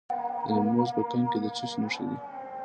د نیمروز په کنگ کې د څه شي نښې دي؟